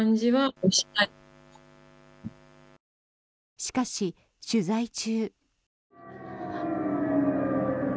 しかし取材中。